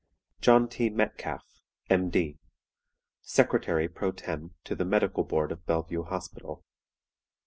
"JOHN T. METCALFE, M.D., "Secretary pro tem. to the Medical Board of Bellevue Hospital.